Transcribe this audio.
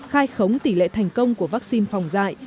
khai khống tỷ lệ thành công của vaccine phòng dạy